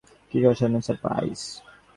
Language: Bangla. কি অসাধারণ সারপ্রাইজ!